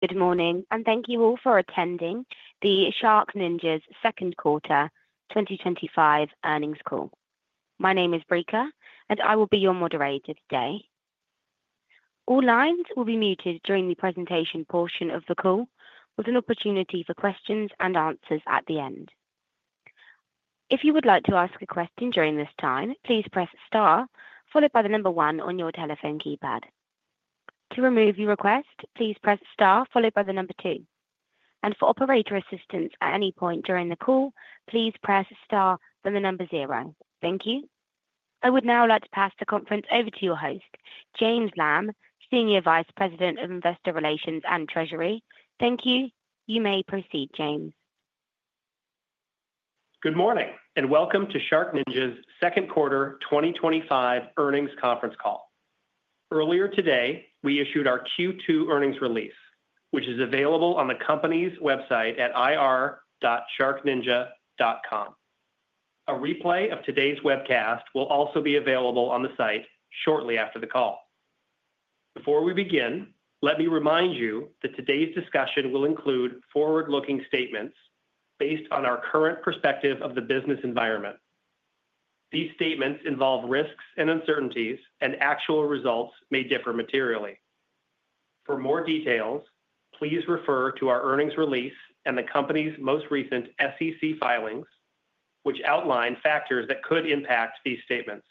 Good morning, and thank you all for attending SharkNinja's second quarter 2025 earnings call. My name is Rica, and I will be your moderator today. All lines will be muted during the presentation portion of the call, with an opportunity for questions and answers at the end. If you would like to ask a question during this time, please press star, followed by the number one on your telephone keypad. To remove your request, please press Star, followed by the number two. For operator assistance at any point during the call, please press Star, then the number zero. Thank you. I would now like to pass the conference over to your host, James Lamb, Senior Vice President of Investor Relations. Thank you. You may proceed, James. Good morning, and welcome to SharkNinja's second quarter 2025 earnings conference call. Earlier today, we issued our Q2 earnings release, which is available on the company's website at ir.sharkninja.com. A replay of today's webcast will also be available on the site shortly after the call. Before we begin, let me remind you that today's discussion will include forward-looking statements based on our current perspective of the business environment. These statements involve risks and uncertainties, and actual results may differ materially. For more details, please refer to our earnings release and the company's most recent SEC filings, which outline factors that could impact these statements.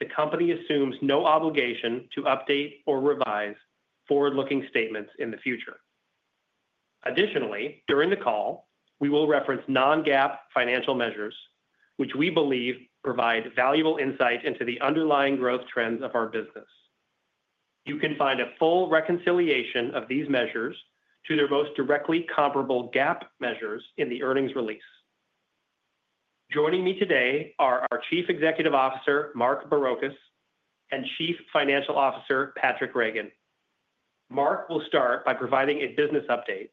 The company assumes no obligation to update or revise forward-looking statements in the future. Additionally, during the call, we will reference non-GAAP financial measures, which we believe provide valuable insight into the underlying growth trends of our business. You can find a full reconciliation of these measures to their most directly comparable GAAP measures in the earnings release. Joining me today are our Chief Executive Officer, Mark Barrocas, and Chief Financial Officer, Patraic Reagan. Mark will start by providing a business update,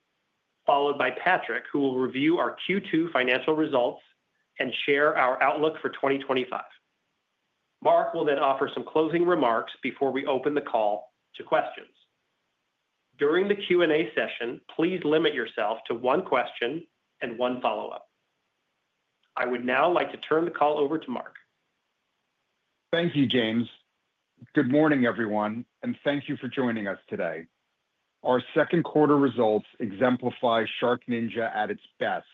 followed by Patraic, who will review our Q2 financial results and share our outlook for 2025. Mark will then offer some closing remarks before we open the call to questions. During the Q&A session, please limit yourself to one question and one follow-up. I would now like to turn the call over to Mark. Thank you, James. Good morning, everyone, and thank you for joining us today. Our second quarter results exemplify SharkNinja at its best,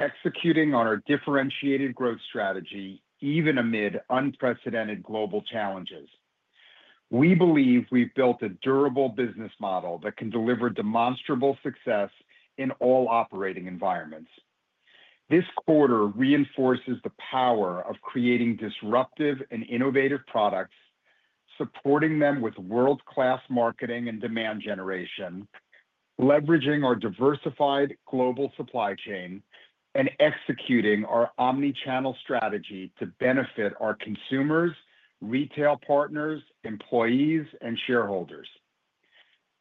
executing on our differentiated growth strategy even amid unprecedented global challenges. We believe we've built a durable business model that can deliver demonstrable success in all operating environments. This quarter reinforces the power of creating disruptive and innovative products, supporting them with world-class marketing and demand generation, leveraging our diversified global supply chain, and executing our omnichannel strategy to benefit our consumers, retail partners, employees, and shareholders.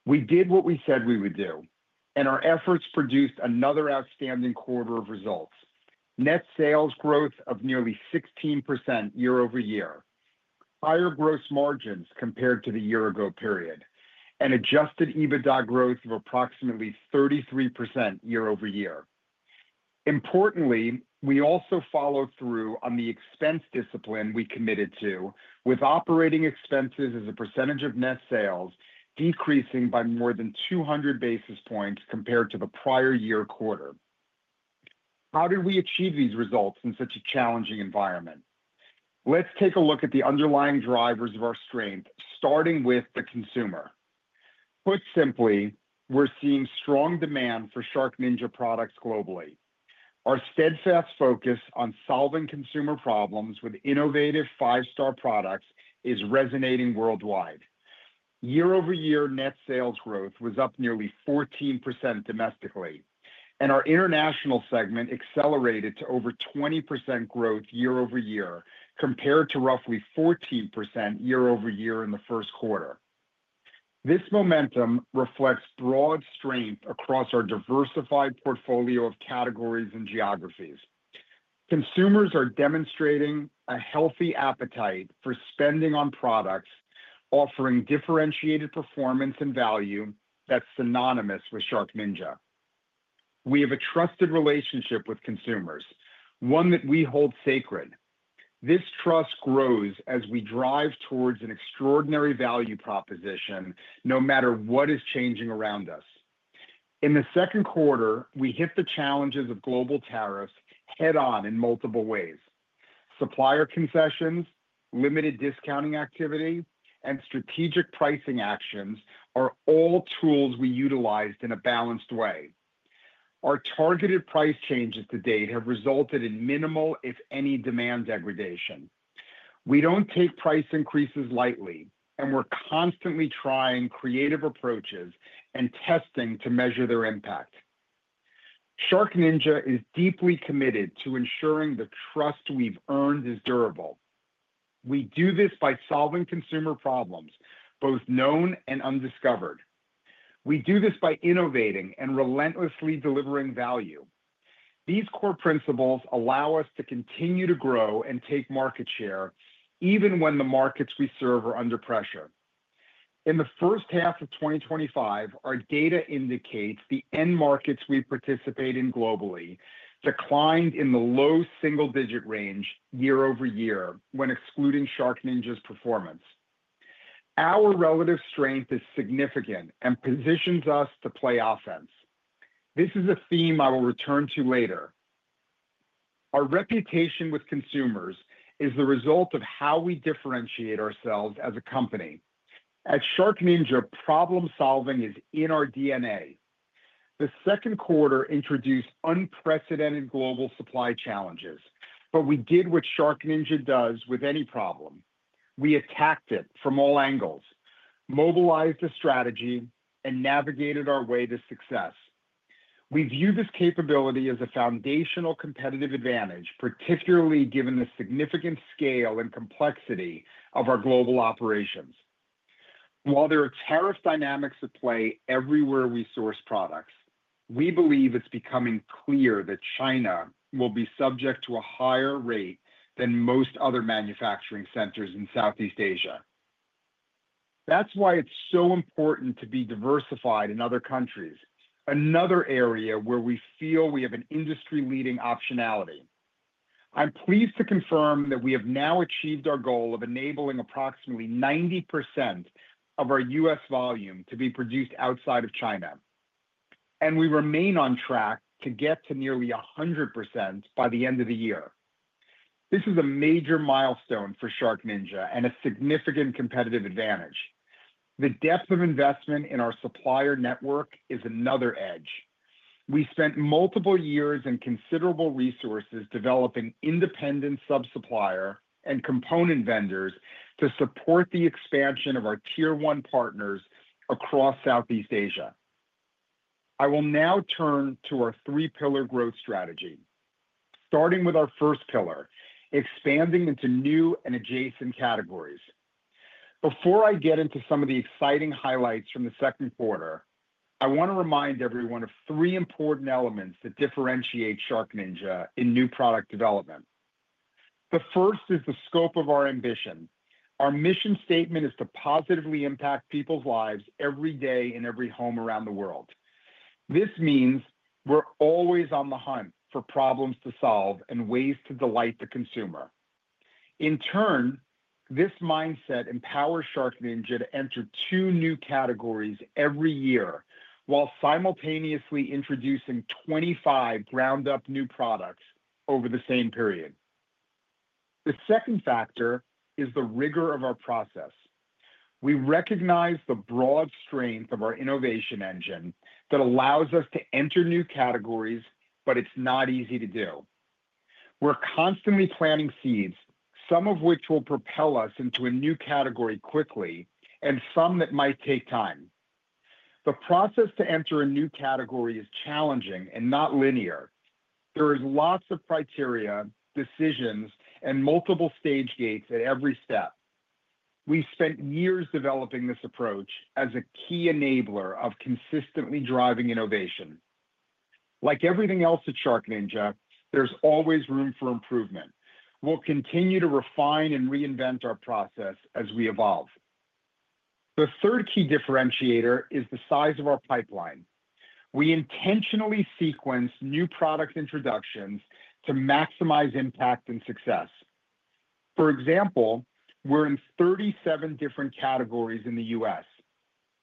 We did what we said we would do, and our efforts produced another outstanding quarter of results: net sales growth of nearly 16% year-over-year, higher gross margins compared to the year-ago period, and adjusted EBITDA growth of approximately 33% year-over-year. Importantly, we also followed through on the expense discipline we committed to, with operating expenses as a percentage of net sales decreasing by more than 200 basis points compared to the prior year quarter. How did we achieve these results in such a challenging environment? Let's take a look at the underlying drivers of our strength, starting with the consumer. Put simply, we're seeing strong demand for SharkNinja products globally. Our steadfast focus on solving consumer problems with innovative five-star products is resonating worldwide. Year-over-year net sales growth was up nearly 14% domestically, and our international segment accelerated to over 20% growth year-over-year compared to roughly 14% year-over-year in the first quarter. This momentum reflects broad strength across our diversified portfolio of categories and geographies. Consumers are demonstrating a healthy appetite for spending on products offering differentiated performance and value that's synonymous with SharkNinja. We have a trusted relationship with consumers, one that we hold sacred. This trust grows as we drive towards an extraordinary value proposition, no matter what is changing around us. In the second quarter, we hit the challenges of global tariffs head-on in multiple ways. Supplier concessions, limited discounting activity, and strategic pricing actions are all tools we utilized in a balanced way. Our targeted price changes to date have resulted in minimal, if any, demand degradation. We don't take price increases lightly, and we're constantly trying creative approaches and testing to measure their impact. SharkNinja is deeply committed to ensuring the trust we've earned is durable. We do this by solving consumer problems, both known and undiscovered. We do this by innovating and relentlessly delivering value. These core principles allow us to continue to grow and take market share, even when the markets we serve are under pressure. In the first half of 2025, our data indicates the end markets we participate in globally declined in the low single-digit range year-over-year when excluding SharkNinja's performance. Our relative strength is significant and positions us to play offense. This is a theme I will return to later. Our reputation with consumers is the result of how we differentiate ourselves as a company. At SharkNinja, problem-solving is in our DNA. The second quarter introduced unprecedented global supply challenges, but we did what SharkNinja does with any problem. We attacked it from all angles, mobilized the strategy, and navigated our way to success. We view this capability as a foundational competitive advantage, particularly given the significant scale and complexity of our global operations. While there are tariff dynamics at play everywhere we source products, we believe it's becoming clear that China will be subject to a higher rate than most other manufacturing centers in Southeast Asia. That's why it's so important to be diversified in other countries, another area where we feel we have an industry-leading optionality. I'm pleased to confirm that we have now achieved our goal of enabling approximately 90% of our U.S. volume to be produced outside of China, and we remain on track to get to nearly 100% by the end of the year. This is a major milestone for SharkNinja and a significant competitive advantage. The depth of investment in our supplier network is another edge. We spent multiple years and considerable resources developing independent sub-supplier and component vendors to support the expansion of our tier-one partners across Southeast Asia. I will now turn to our three-pillar growth strategy, starting with our first pillar, expanding into new and adjacent categories. Before I get into some of the exciting highlights from the second quarter, I want to remind everyone of three important elements that differentiate SharkNinja in new product development. The first is the scope of our ambition. Our mission statement is to positively impact people's lives every day in every home around the world. This means we're always on the hunt for problems to solve and ways to delight the consumer. In turn, this mindset empowers SharkNinja to enter two new categories every year while simultaneously introducing 25 ground-up new products over the same period. The second factor is the rigor of our process. We recognize the broad strength of our innovation engine that allows us to enter new categories, but it's not easy to do. We're constantly planting seeds, some of which will propel us into a new category quickly and some that might take time. The process to enter a new category is challenging and not linear. There are lots of criteria, decisions, and multiple stage gates at every step. We've spent years developing this approach as a key enabler of consistently driving innovation. Like everything else at SharkNinja, there's always room for improvement. We'll continue to refine and reinvent our process as we evolve. The third key differentiator is the size of our pipeline. We intentionally sequence new product introductions to maximize impact and success. For example, we're in 37 different categories in the U.S.,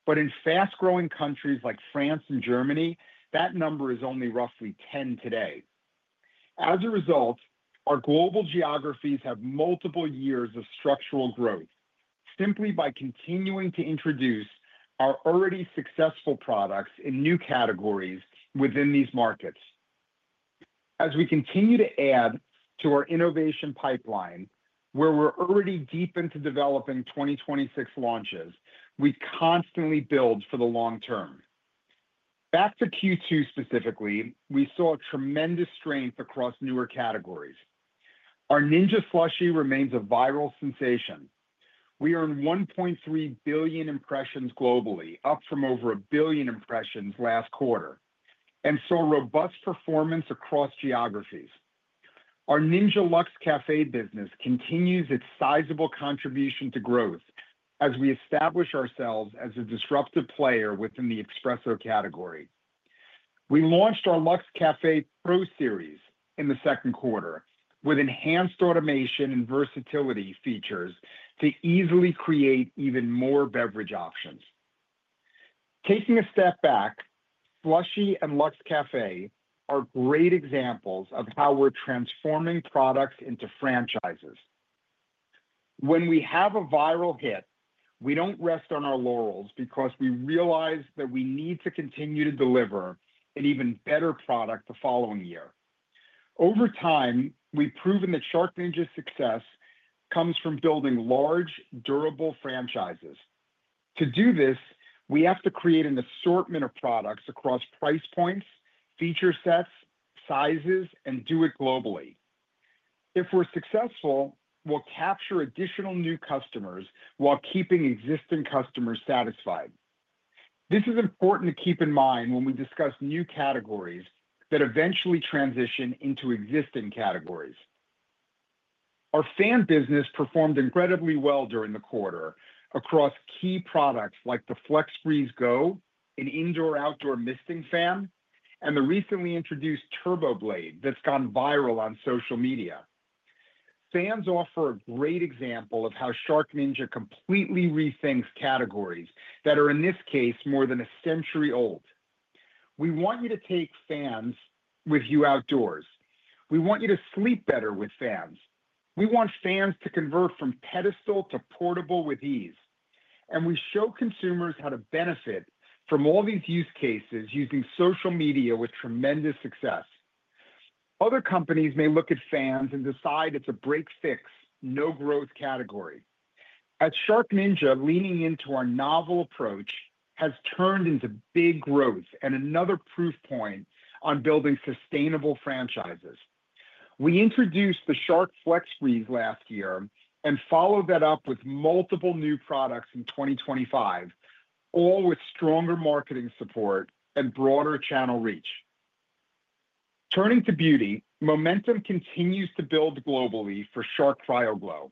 but in fast-growing countries like France and Germany, that number is only roughly 10 today. As a result, our global geographies have multiple years of structural growth simply by continuing to introduce our already successful products in new categories within these markets. As we continue to add to our innovation pipeline, where we're already deep into developing 2026 launches, we constantly build for the long term. After Q2 specifically, we saw tremendous strength across newer categories. Our Ninja SLUSHi machine remains a viral sensation. We earned 1.3 billion impressions globally, up from over a billion impressions last quarter, and saw robust performance across geographies. Ourr Ninja Luxe Café business continues its sizable contribution to growth as we establish ourselves as a disruptive player within the espresso category. We launched our Lux Café Pro Series in the second quarter with enhanced automation and versatility features to easily create even more beverage options. Taking a step back, SLUSHi and Lux Café are great examples of how we're transforming products into franchises. When we have a viral hit, we don't rest on our laurels because we realize that we need to continue to deliver an even better product the following year. Over time, we've proven that SharkNinja's success comes from building large, durable franchises. To do this, we have to create an assortment of products across price points, feature sets, sizes, and do it globally. If we're successful, we'll capture additional new customers while keeping existing customers satisfied. This is important to keep in mind when we discuss new categories that eventually transition into existing categories. Our fan business performed incredibly well during the quarter across key products like the FlexBreeze Go, an indoor/outdoor misting fan, and the recently introduced Turbo Blade that's gone viral on social media. Fans offer a great example of how SharkNinja completely rethinks categories that are, in this case, more than a century old. We want you to take fans with you outdoors. We want you to sleep better with fans. We want fans to convert from pedestal to portable with ease. We show consumers how to benefit from all these use cases using social media with tremendous success. Other companies may look at fans and decide it's a break-fix, no-growth category. At SharkNinja, leaning into our novel approach has turned into big growth and another proof point on building sustainable franchises. We introduced the Shark FlexBreeze last year and followed that up with multiple new products in 2025, all with stronger marketing support and broader channel reach. Turning to beauty, momentum continues to build globally for Shark CryoGlow.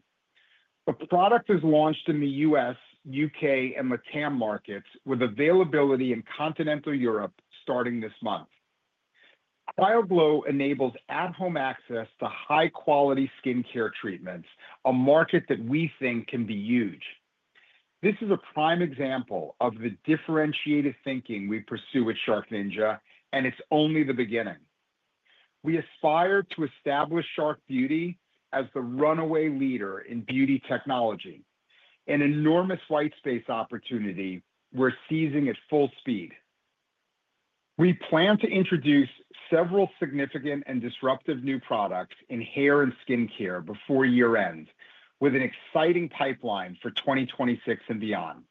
The product is launched in the U.S., U.K,. and LatAm markets with availability in continental Europe starting this month. CryoGlow enables at-home access to high-quality skincare treatments, a market that we think can be huge. This is a prime example of the differentiated thinking we pursue at SharkNinja, and it's only the beginning. We aspire to establish Shark Beauty as the runaway leader in beauty technology. An enormous whitespace opportunity, we're seizing at full speed. We plan to introduce several significant and disruptive new products in hair and skincare before year-end, with an exciting pipeline for 2026 and beyond.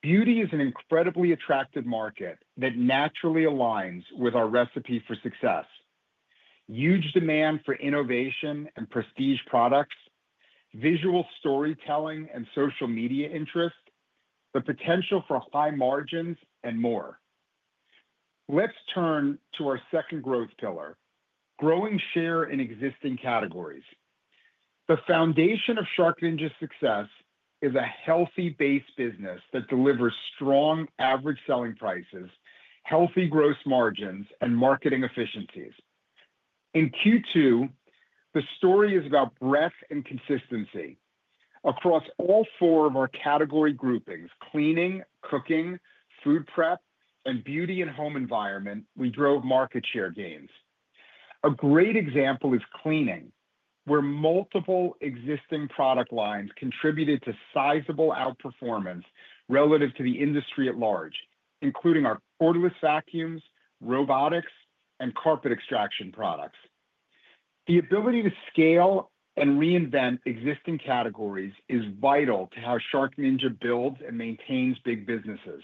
Beauty is an incredibly attractive market that naturally aligns with our recipe for success: huge demand for innovation and prestige products, visual storytelling and social media interest, the potential for high margins, and more. Let's turn to our second growth pillar: growing share in existing categories. The foundation of SharkNinja's success is a healthy base business that delivers strong average selling prices, healthy gross margins, and marketing efficiencies. In Q2, the story is about breadth and consistency. Across all four of our category groupings: cleaning, cooking, food prep, and beauty and home environment, we drove market share gains. A great example is cleaning, where multiple existing product lines contributed to sizable outperformance relative to the industry at large, including our cordless vacuums, robotics, and carpet extraction products. The ability to scale and reinvent existing categories is vital to how SharkNinja builds and maintains big businesses.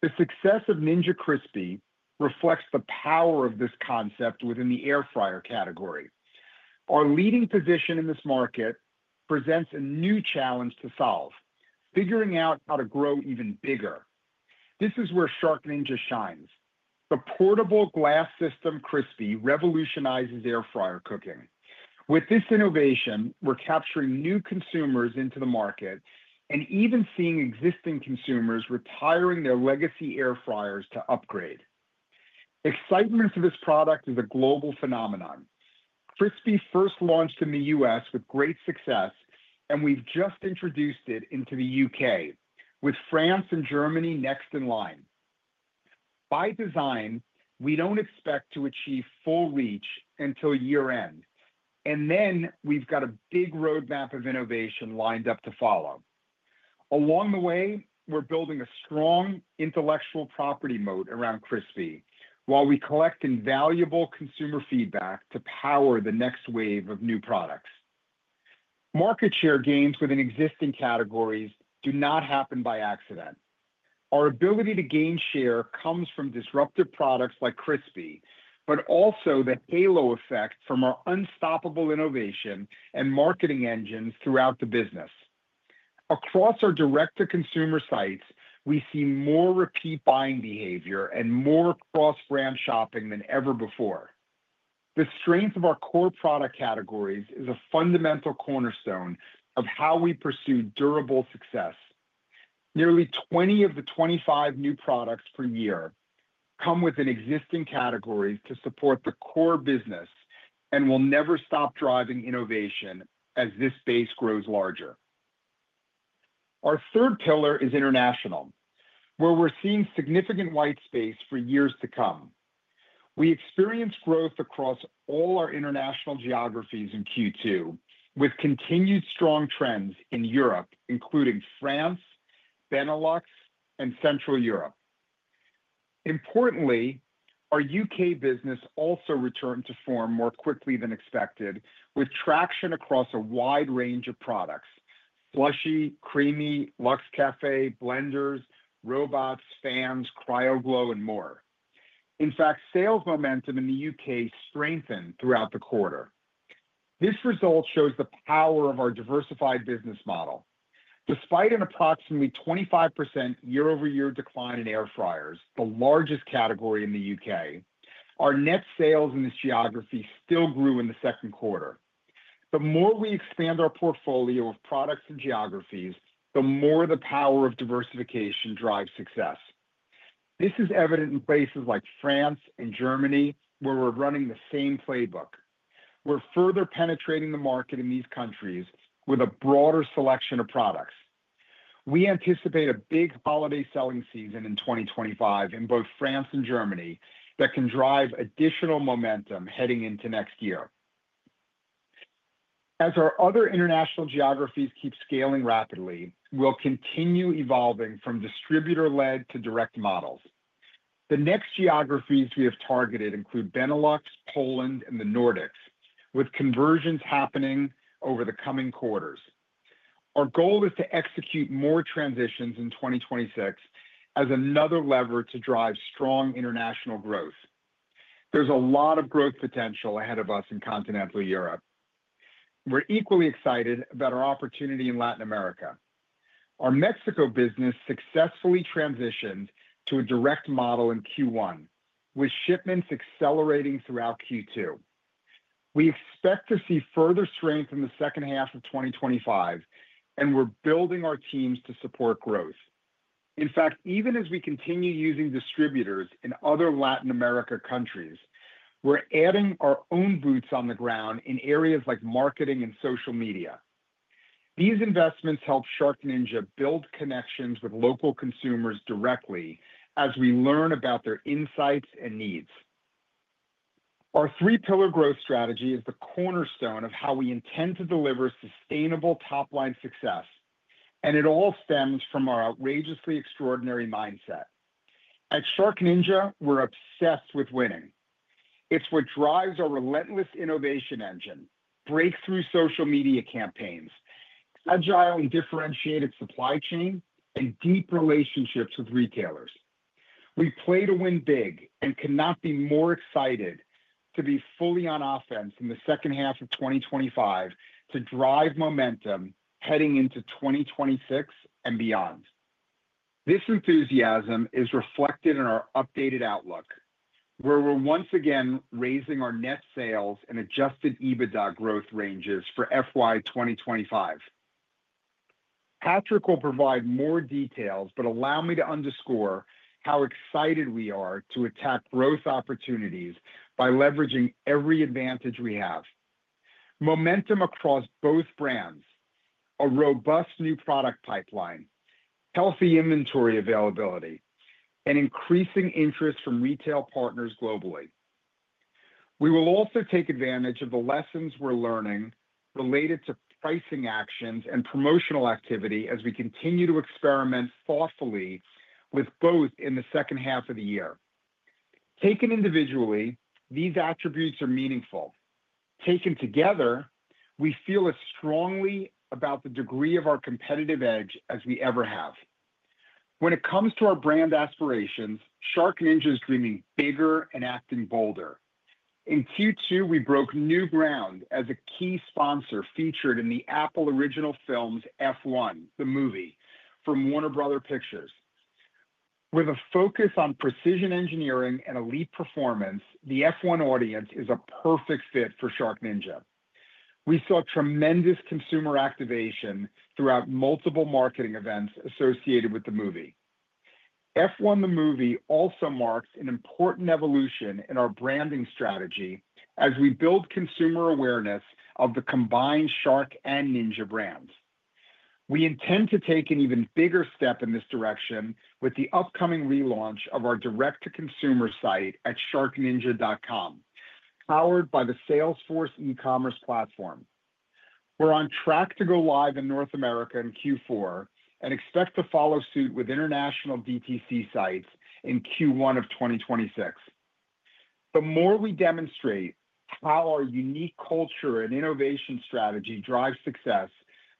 The success of Ninja CRISPi reflects the power of this concept within the air fryer category. Our leading position in this market presents a new challenge to solve: figuring out how to grow even bigger. This is where SharkNinja shines. The portable glass system CRISPi revolutionizes air fryer cooking. With this innovation, we're capturing new consumers into the market and even seeing existing consumers retiring their legacy air fryers to upgrade. Excitement for this product is a global phenomenon. CRISPi first launched in the U.S. with great success, and we've just introduced it into the U.K., with France and Germany next in line. By design, we don't expect to achieve full reach until year-end, and then we've got a big roadmap of innovation lined up to follow. Along the way, we're building a strong intellectual property moat around CRISPi while we collect invaluable consumer feedback to power the next wave of new products. Market share gains within existing categories do not happen by accident. Our ability to gain share comes from disruptive products like CRISPi, but also the halo effect from our unstoppable innovation and marketing engines throughout the business. Across our direct-to-consumer sites, we see more repeat buying behavior and more cross-brand shopping than ever before. The strength of our core product categories is a fundamental cornerstone of how we pursue durable success. Nearly 20 of the 25 new products per year come within existing categories to support the core business and will never stop driving innovation as this base grows larger. Our third pillar is international, where we're seeing significant whitespace for years to come. We experienced growth across all our international geographies in Q2, with continued strong trends in Europe, including France, Benelux, and Central Europe. Importantly, our U.K. business also returned to form more quickly than expected, with traction across a wide range of products: Ninja SLUSHi, CREAMi, Luxe Café, blenders, robots, fans, CryoGlow, and more. In fact, sales momentum in the U.K. strengthened throughout the quarter. This result shows the power of our diversified business model. Despite an approximately 25% year-over-year decline in air fryers, the largest category in the U.K., our net sales in this geography still grew in the second quarter. The more we expand our portfolio of products and geographies, the more the power of diversification drives success. This is evident in places like France and Germany, where we're running the same playbook. We're further penetrating the market in these countries with a broader selection of products. We anticipate a big holiday selling season in 2025 in both France and Germany that can drive additional momentum heading into next year. As our other international geographies keep scaling rapidly, we'll continue evolving from distributor-led to direct models. The next geographies we have targeted include Benelux, Poland, and the Nordics, with conversions happening over the coming quarters. Our goal is to execute more transitions in 2026 as another lever to drive strong international growth. There's a lot of growth potential ahead of us in continental Europe. We're equally excited about our opportunity in Latin America. Our Mexico business successfully transitions to a direct model in Q1, with shipments accelerating throughout Q2. We expect to see further strength in the second half of 2025, and we're building our teams to support growth. In fact, even as we continue using distributors in other Latin America countries, we're adding our own boots on the ground in areas like marketing and social media. These investments help SharkNinja build connections with local consumers directly as we learn about their insights and needs. Our three-pillar growth strategy is the cornerstone of how we intend to deliver sustainable top-line success, and it all stems from our outrageously extraordinary mindset. At SharkNinja, we're obsessed with winning. It's what drives our relentless innovation engine, breakthrough social media campaigns, agile and differentiated supply chain, and deep relationships with retailers. We play to win big and cannot be more excited to be fully on offense in the second half of 2025 to drive momentum heading into 2026 and beyond. This enthusiasm is reflected in our updated outlook, where we're once again raising our net sales and adjusted EBITDA growth ranges for FY 2025. Patraic will provide more details, but allow me to underscore how excited we are to attack growth opportunities by leveraging every advantage we have: momentum across both brands, a robust new product pipeline, healthy inventory availability, and increasing interest from retail partners globally. We will also take advantage of the lessons we're learning related to pricing actions and promotional activity as we continue to experiment thoughtfully with both in the second half of the year. Taken individually, these attributes are meaningful. Taken together, we feel as strongly about the degree of our competitive edge as we ever have. When it comes to our brand aspirations, SharkNinja is dreaming bigger and acting bolder. In Q2, we broke new ground as a key sponsor featured in the Apple Original Films F1: The Movie from Warner Bros. Pictures. With a focus on precision engineering and elite performance, the F1 audience is a perfect fit for SharkNinja. We saw tremendous consumer activation throughout multiple marketing events associated with the movie. F1: The Movie also marks an important evolution in our branding strategy as we build consumer awareness of the combined Shark and Ninja brands. We intend to take an even bigger step in this direction with the upcoming relaunch of our direct-to-consumer site at sharkninja.com, powered by the Salesforce e-commerce platform. We're on track to go live in North America in Q4 and expect to follow suit with international DTC sites in Q1 of 2026. The more we demonstrate how our unique culture and innovation strategy drive success,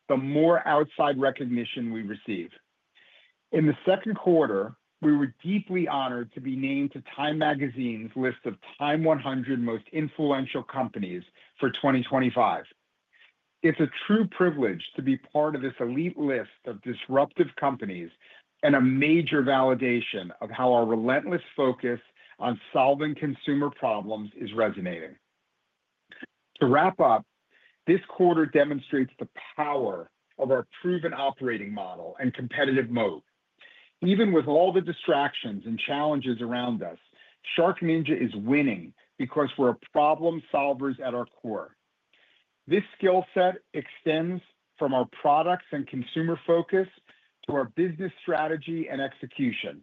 the more outside recognition we receive. In the second quarter, we were deeply honored to be named to Time Magazine's list of Time 100 Most Influential Companies for 2025. It's a true privilege to be part of this elite list of disruptive companies and a major validation of how our relentless focus on solving consumer problems is resonating. To wrap up, this quarter demonstrates the power of our proven operating model and competitive moat. Even with all the distractions and challenges around us, SharkNinja is winning because we're problem solvers at our core. This skill set extends from our products and consumer focus to our business strategy and execution.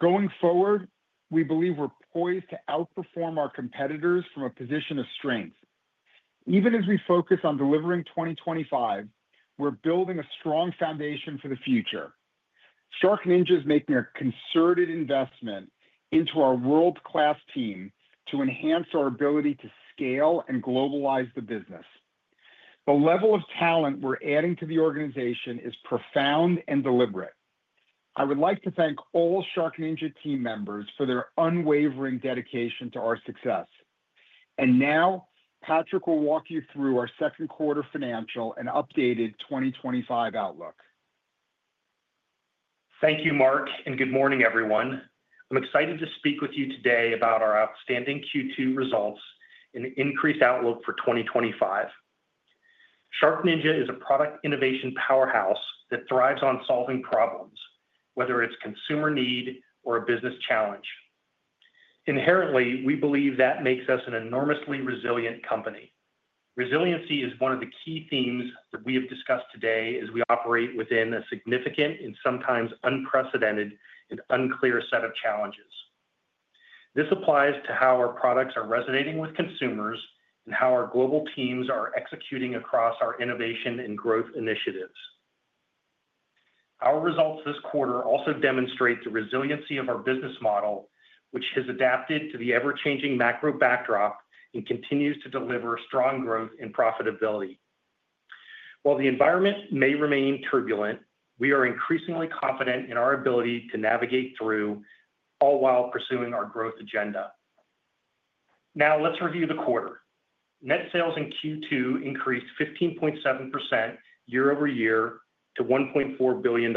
Going forward, we believe we're poised to outperform our competitors from a position of strength. Even as we focus on delivering 2025, we're building a strong foundation for the future. SharkNinja is making a concerted investment into our world-class team to enhance our ability to scale and globalize the business. The level of talent we're adding to the organization is profound and deliberate. I would like to thank all SharkNinja team members for their unwavering dedication to our success. Patraic will walk you through our second quarter financial and updated 2025 outlook. Thank you, Mark, and good morning, everyone. I'm excited to speak with you today about our outstanding Q2 results and the increased outlook for 2025. SharkNinja is a product innovation powerhouse that thrives on solving problems, whether it's consumer need or a business challenge. Inherently, we believe that makes us an enormously resilient company. Resiliency is one of the key themes that we have discussed today as we operate within a significant and sometimes unprecedented and unclear set of challenges. This applies to how our products are resonating with consumers and how our global teams are executing across our innovation and growth initiatives. Our results this quarter also demonstrate the resiliency of our business model, which has adapted to the ever-changing macro backdrop and continues to deliver strong growth and profitability. While the environment may remain turbulent, we are increasingly confident in our ability to navigate through, all while pursuing our growth agenda. Now, let's review the quarter. Net sales in Q2 increased 15.7% year-over-year to $1.4 billion.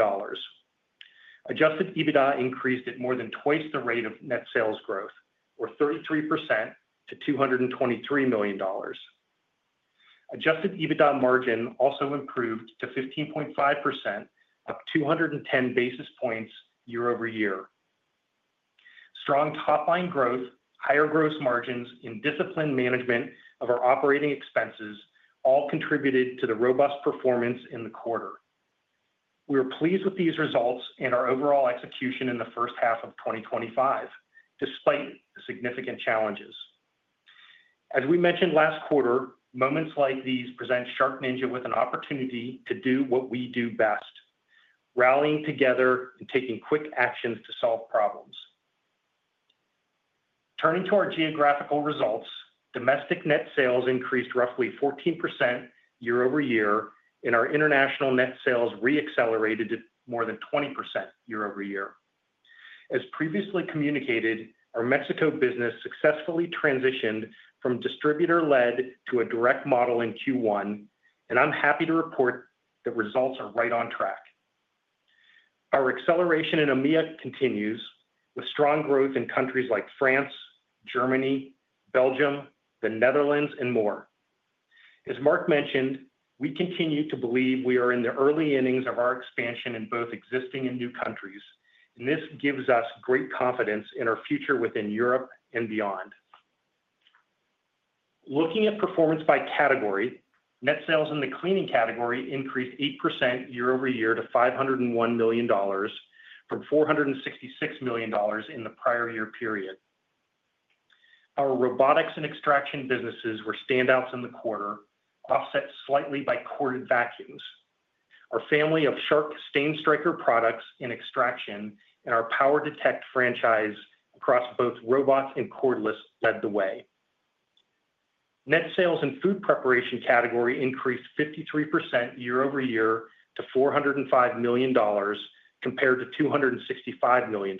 Adjusted EBITDA increased at more than twice the rate of net sales growth, or 33% to $223 million. Adjusted EBITDA margin also improved to 15.5%, up 210 basis points year-over-year. Strong top-line growth, higher gross margins, and disciplined management of our operating expenses all contributed to the robust performance in the quarter. We are pleased with these results in our overall execution in the first half of 2025, despite the significant challenges. As we mentioned last quarter, moments like these present SharkNinja with an opportunity to do what we do best: rallying together and taking quick actions to solve problems. Turning to our geographical results, domestic net sales increased roughly 14% year-over-year, and our international net sales re-accelerated to more than 20% year-over-year. As previously communicated, our Mexico business successfully transitioned from distributor-led to a direct model in Q1, and I'm happy to report that results are right on track. Our acceleration in EMEA continues, with strong growth in countries like France, Germany, Belgium, the Netherlands, and more. As Mark mentioned, we continue to believe we are in the early innings of our expansion in both existing and new countries, and this gives us great confidence in our future within Europe and beyond. Looking at performance by category, net sales in the cleaning category increased 8% year-over-year to $501 million from $466 million in the prior year period. Our robotics and extraction businesses were standouts in the quarter, offset slightly by corded vacuums. Our family of Shark StainStriker products in extraction and our PowerDetect franchise across both robots and cordless led the way. Net sales in the food preparation category increased 53% year-over-year to $405 million compared to $265 million.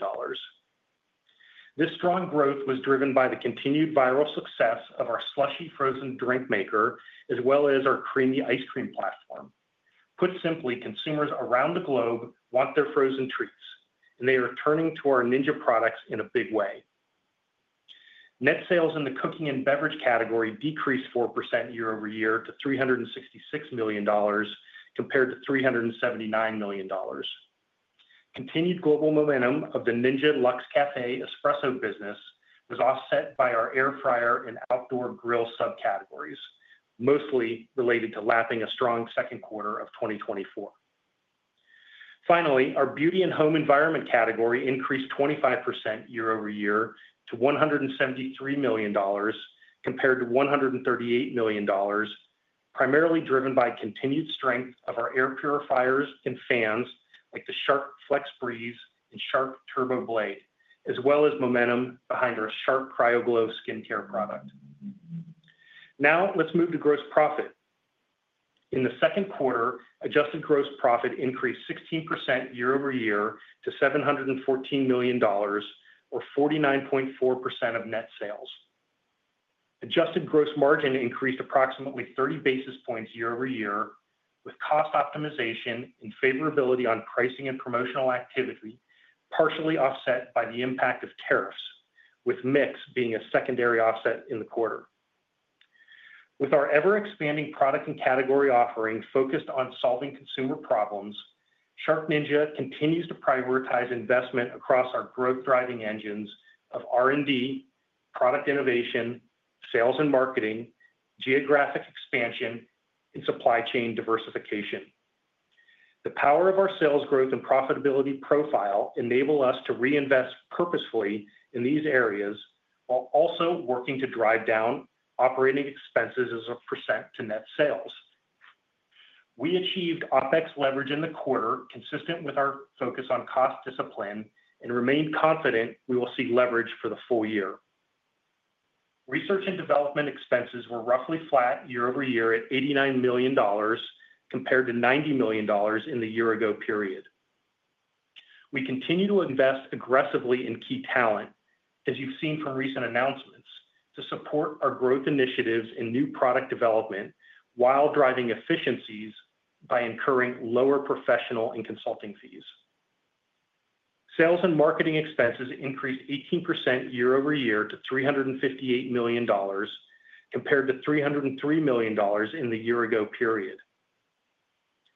This strong growth was driven by the continued viral success of our Ninja SLUSHi frozen drinks machine, as well as our creamy ice cream platform. Put simply, consumers around the globe want their frozen treats, and they are turning to our Ninja products in a big way. Net sales in the cooking and beverage category decreased 4% year-over-year to $366 million compared to $379 million. Continued global momentum of the Ninja Luxe Café Espresso machine business was offset by our air fryer and outdoor grill subcategories, mostly related to lapping a strong second quarter of 2024. Finally, our beauty and home environment category increased 25% year-over-year to $173 million compared to $138 million, primarily driven by continued strength of our air purifiers and fans like the Shark FlexBreeze and Shark TurboBlade, as well as momentum behind our Shark CryoGlow skincare product. Now, let's move to gross profit. In the second quarter, adjusted gross profit increased 16% year-over-year to $714 million, or 49.4% of net sales. Adjusted gross margin increased approximately 30 basis points year-over-year, with cost optimization and favorability on pricing and promotional activity partially offset by the impact of tariffs, with mix being a secondary offset in the quarter. With our ever-expanding product and category offerings focused on solving consumer problems, SharkNinja continues to prioritize investment across our growth-driving engines of R&D, product innovation, sales and marketing, geographic expansion, and supply chain diversification. The power of our sales growth and profitability profile enables us to reinvest purposefully in these areas while also working to drive down operating expenses as a percent to net sales. We achieved OpEx leverage in the quarter, consistent with our focus on cost discipline, and remained confident we will see leverage for the full year. Research and development expenses were roughly flat year-over-year at $89 million compared to $90 million in the year-ago period. We continue to invest aggressively in key talent, as you've seen from recent announcements, to support our growth initiatives and new product development while driving efficiencies by incurring lower professional and consulting fees. Sales and marketing expenses increased 18% year-over-year to $358 million compared to $303 million in the year-ago period.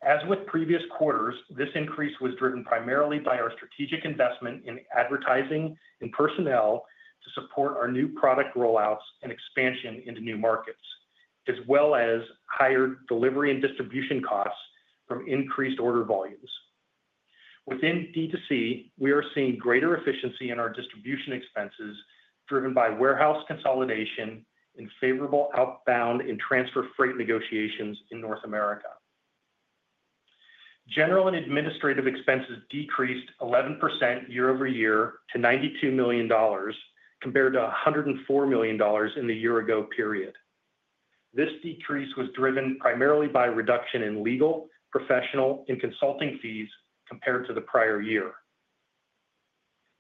As with previous quarters, this increase was driven primarily by our strategic investment in advertising and personnel to support our new product rollouts and expansion into new markets, as well as higher delivery and distribution costs from increased order volumes. Within direct-to-consumer, we are seeing greater efficiency in our distribution expenses, driven by warehouse consolidation and favorable outbound and transfer freight negotiations in North America. General and administrative expenses decreased 11% year-over-year to $92 million compared to $104 million in the year-ago period. This decrease was driven primarily by a reduction in legal, professional, and consulting fees compared to the prior year.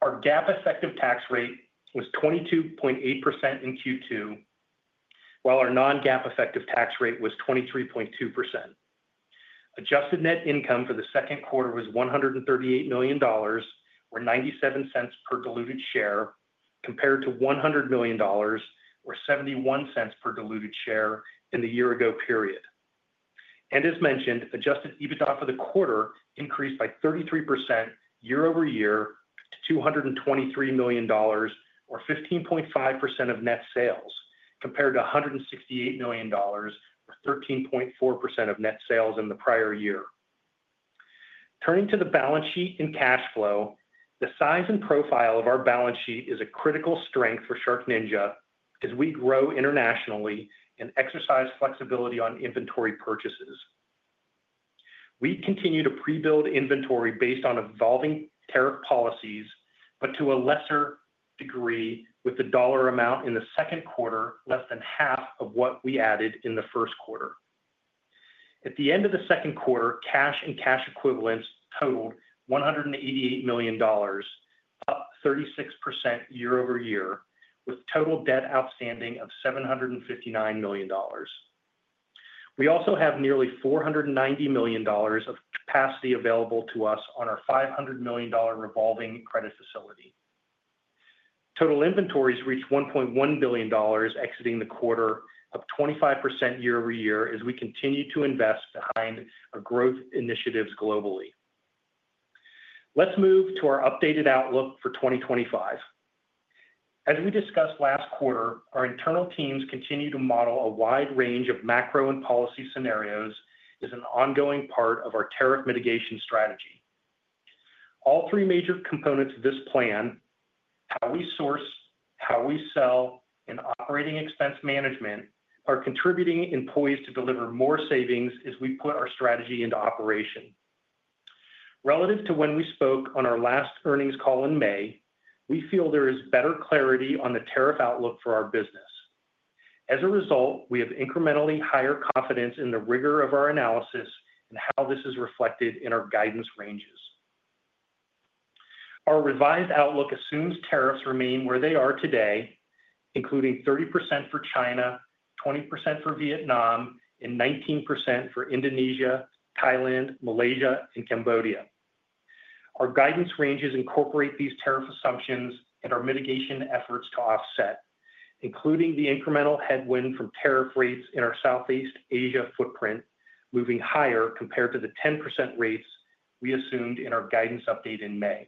Our GAAP effective tax rate was 22.8% in Q2, while our non-GAAP effective tax rate was 23.2%. Adjusted net income for the second quarter was $138 million, or $0.97 per diluted share, compared to $100 million, or $0.71 per diluted share in the year-ago period. Adjusted EBITDA for the quarter increased by 33% year-over-year to $223 million, or 15.5% of net sales, compared to $168 million, or 13.4% of net sales in the prior year. Turning to the balance sheet and cash flow, the size and profile of our balance sheet is a critical strength for SharkNinja as we grow internationally and exercise flexibility on inventory purchases. We continue to pre-build inventory based on evolving tariff policies, but to a lesser degree, with the dollar amount in the second quarter less than half of what we added in the first quarter. At the end of the second quarter, cash and cash equivalents totaled $188 million, up 36% year-over-year, with total debt outstanding of $759 million. We also have nearly $490 million of capacity available to us on our $500 million revolving credit facility. Total inventories reached $1.1 billion exiting the quarter, up 25% year-over-year as we continue to invest behind our growth initiatives globally. Let's move to our updated outlook for 2025. As we discussed last quarter, our internal teams continue to model a wide range of macro and policy scenarios as an ongoing part of our tariff mitigation strategy. All three major components of this plan, how we source, how we sell, and operating expense management, are contributing employees to deliver more savings as we put our strategy into operation. Relative to when we spoke on our last earnings call in May, we feel there is better clarity on the tariff outlook for our business. As a result, we have incrementally higher confidence in the rigor of our analysis and how this is reflected in our guidance ranges. Our revised outlook assumes tariffs remain where they are today, including 30% for China, 20% for Vietnam, and 19% for Indonesia, Thailand, Malaysia, and Cambodia. Our guidance ranges incorporate these tariff assumptions and our mitigation efforts to offset, including the incremental headwind from tariff rates in our Southeast Asia footprint moving higher compared to the 10% rates we assumed in our guidance update in May.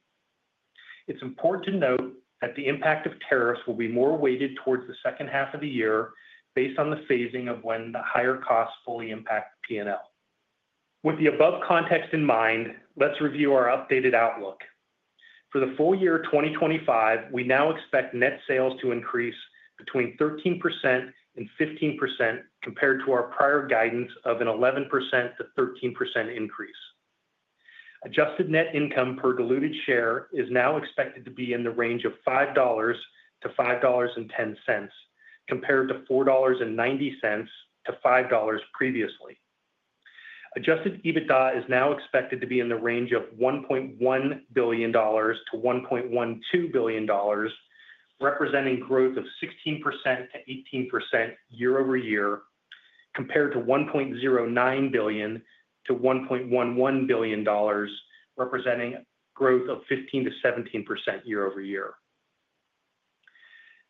It's important to note that the impact of tariffs will be more weighted towards the second half of the year based on the phasing of when the higher costs fully impact P&L. With the above context in mind, let's review our updated outlook. For the full year 2025, we now expect net sales to increase between 13% and 15% compared to our prior guidance of an 11% to 13% increase. Adjusted net income per diluted share is now expected to be in the range of $5-$5.10 compared to $4.90-$5 previously. Adjusted EBITDA is now expected to be in the range of $1.1 billion-$1.12 billion, representing growth of 16%-18% year-over-year, compared to $1.09 billion-$1.11 billion, representing growth of 15%-17% year-over-year.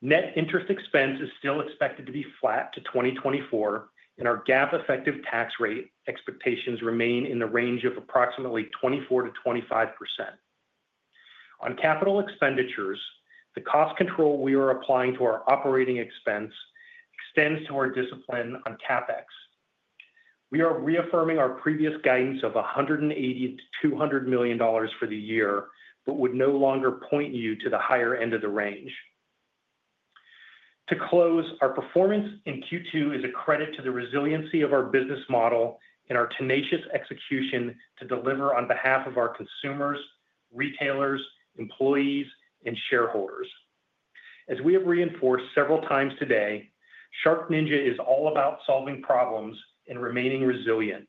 Net interest expense is still expected to be flat to 2024, and our GAAP effective tax rate expectations remain in the range of approximately 24%-25%. On capital expenditures, the cost control we are applying to our operating expense extends to our discipline on CapEx. We are reaffirming our previous guidance of $180 million-$200 million for the year, but would no longer point you to the higher end of the range. To close, our performance in Q2 is a credit to the resiliency of our business model and our tenacious execution to deliver on behalf of our consumers, retailers, employees, and shareholders. As we have reinforced several times today, SharkNinja is all about solving problems and remaining resilient.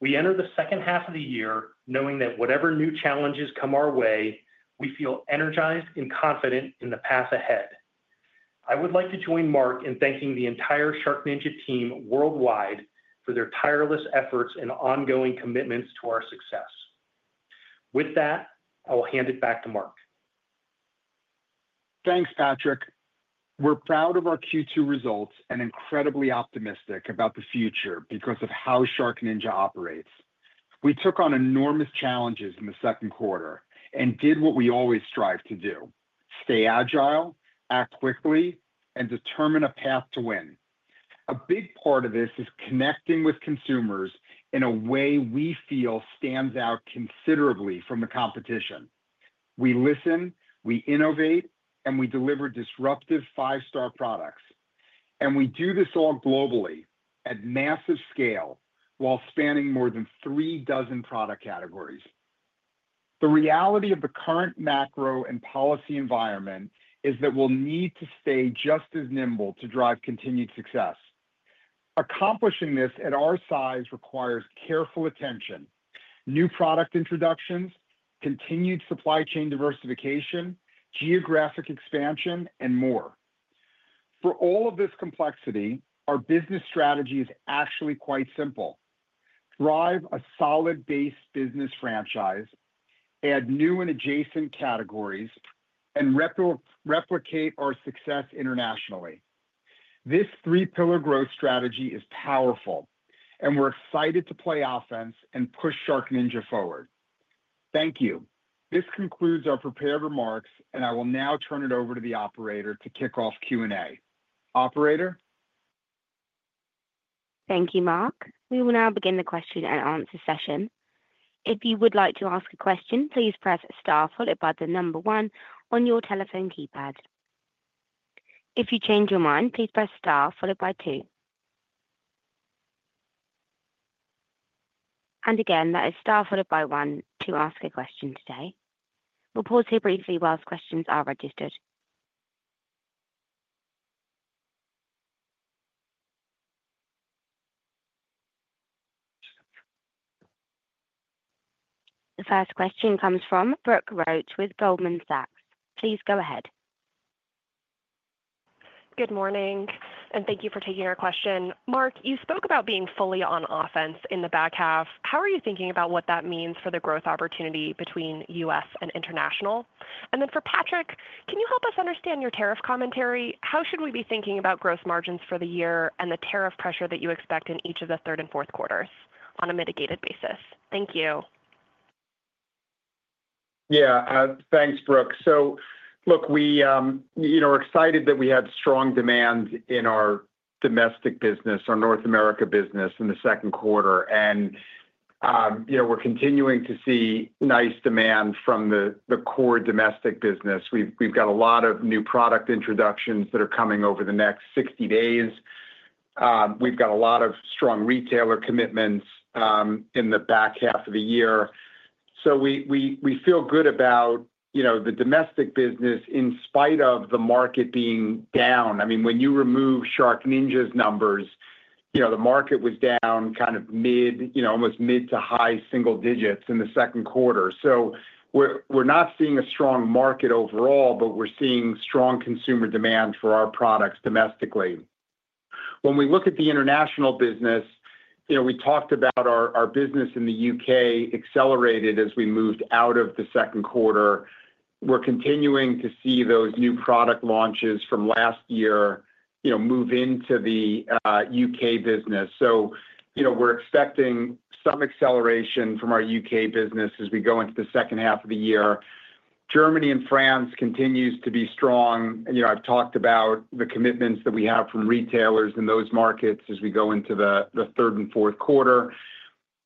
We enter the second half of the year knowing that whatever new challenges come our way, we feel energized and confident in the path ahead. I would like to join Mark in thanking the entire SharkNinja team worldwide for their tireless efforts and ongoing commitments to our success. With that, I will hand it back to Mark. Thanks, Patraic. We're proud of our Q2 results and incredibly optimistic about the future because of how SharkNinja operates. We took on enormous challenges in the second quarter and did what we always strive to do: stay agile, act quickly, and determine a path to win. A big part of this is connecting with consumers in a way we feel stands out considerably from the competition. We listen, we innovate, and we deliver disruptive five-star products. We do this all globally at massive scale while spanning more than three dozen product categories. The reality of the current macro and policy environment is that we'll need to stay just as nimble to drive continued success. Accomplishing this at our size requires careful attention: new product introductions, continued supply chain diversification, geographic expansion, and more. For all of this complexity, our business strategy is actually quite simple: drive a solid base business franchise, add new and adjacent categories, and replicate our success internationally. This three-pillar growth strategy is powerful, and we're excited to play offense and push SharkNinja forward. Thank you. This concludes our prepared remarks, and I will now turn it over to the operator to kick off Q&A. Operator? Thank you, Mark. We will now begin the question-and-answer session. If you would like to ask a question, please press Star, followed by the number one on your telephone keypad. If you change your mind, please press Star, followed by two. Again, that is Star, followed by one to ask a question today. We'll pause here briefly whilst questions are registered. The first question comes from Brooke Roach with Goldman Sachs. Please go ahead. Good morning, and thank you for taking our question. Mark, you spoke about being fully on offense in the back half. How are you thinking about what that means for the growth opportunity between U.S. and international? For Patraic, can you help us understand your tariff commentary? How should we be thinking about gross margins for the year and the tariff pressure that you expect in each of the third and fourth quarters on a mitigated basis? Thank you. Yeah, thanks, Brooke. Look, we're excited that we had strong demand in our domestic business, our North America business in the second quarter. We're continuing to see nice demand from the core domestic business. We've got a lot of new product introductions that are coming over the next 60 days. We've got a lot of strong retailer commitments in the back half of the year. We feel good about the domestic business in spite of the market being down. I mean, when you remove SharkNinja's numbers, the market was down kind of mid, almost mid to high single digits in the second quarter. We're not seeing a strong market overall, but we're seeing strong consumer demand for our products domestically. When we look at the international business, we talked about our business in the U.K. accelerated as we moved out of the second quarter. We're continuing to see those new product launches from last year move into the U.K. business. We're expecting some acceleration from our U.K. business as we go into the second half of the year. Germany and France continue to be strong. I've talked about the commitments that we have from retailers in those markets as we go into the third and fourth quarter,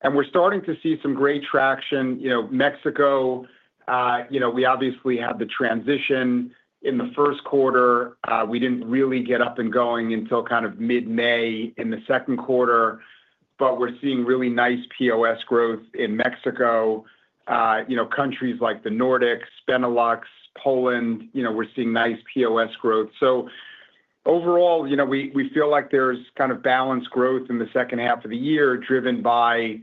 and we're starting to see some great traction. Mexico, we obviously had the transition in the first quarter. We didn't really get up and going until kind of mid-May in the second quarter, but we're seeing really nice POS growth in Mexico. Countries like the Nordics, Benelux, Poland, we're seeing nice POS growth. Overall, we feel like there's kind of balanced growth in the second half of the year driven by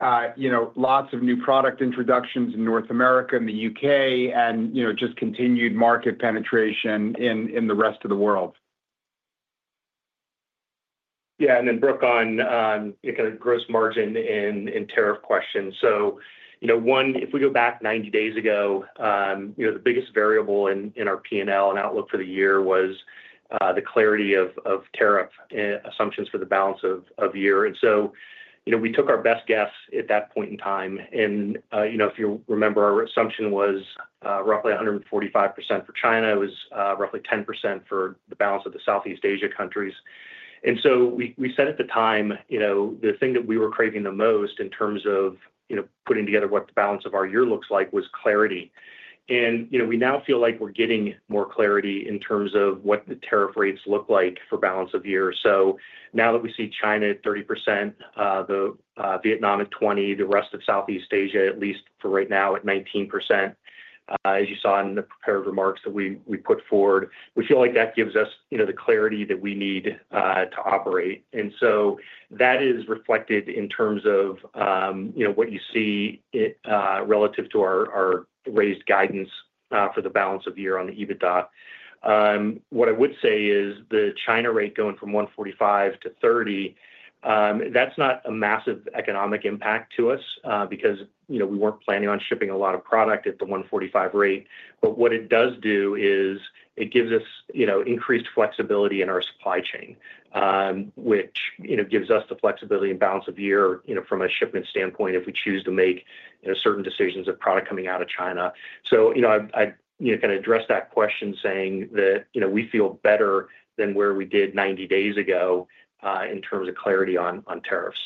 lots of new product introductions in North America and the U.K. and just continued market penetration in the rest of the world. Yeah, and then Brooke, on gross margin and tariff questions. If we go back 90 days ago, the biggest variable in our P&L and outlook for the year was the clarity of tariff assumptions for the balance of year. We took our best guess at that point in time. If you remember, our assumption was roughly 145% for China. It was roughly 10% for the balance of the Southeast Asia countries. We said at the time the thing that we were craving the most in terms of putting together what the balance of our year looks like was clarity. We now feel like we're getting more clarity in terms of what the tariff rates look like for the balance of year. Now that we see China at 30%, Vietnam at 20%, the rest of Southeast Asia, at least for right now, at 19%, as you saw in the prepared remarks that we put forward, we feel like that gives us the clarity that we need to operate. That is reflected in what you see relative to our raised guidance for the balance of year on the EBITDA. What I would say is the China rate going from 145% to 30%, that's not a massive economic impact to us because we weren't planning on shipping a lot of product at the 145% rate. What it does do is it gives us increased flexibility in our supply chain, which gives us the flexibility in balance of year from a shipment standpoint if we choose to make certain decisions of product coming out of China. I addressed that question saying that we feel better than where we did 90 days ago in terms of clarity on tariffs.